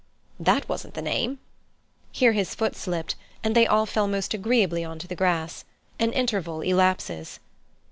"That wasn't the name—" Here his foot slipped, and they all fell most agreeably on to the grass. An interval elapses.